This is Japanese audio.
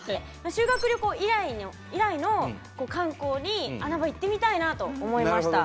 修学旅行以来の観光に穴場行ってみたいなと思いました。